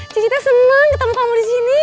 cici senang ketemu kamu disini